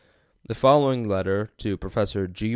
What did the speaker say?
The following letter to Prof. G.